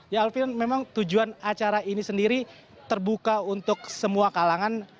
ya alvin memang tujuan acara ini sendiri terbuka untuk semua kalangan